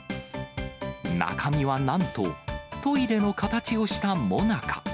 中身はなんと、トイレの形をしたもなか。